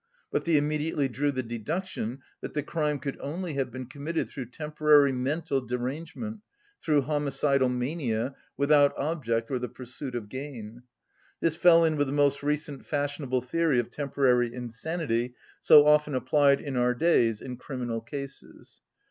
But they immediately drew the deduction that the crime could only have been committed through temporary mental derangement, through homicidal mania, without object or the pursuit of gain. This fell in with the most recent fashionable theory of temporary insanity, so often applied in our days in criminal cases.